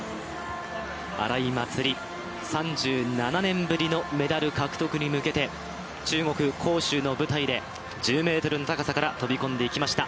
荒井祭里、３７年ぶりのメダル獲得に向けて中国・杭州の舞台で１０ｍの高さから飛び込んでいきました。